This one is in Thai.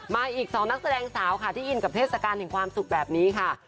มาอีก๒นักแสดงสาวค่ะที่อินกับเทศกาลแห่งความสุขแบบนี้ค่ะ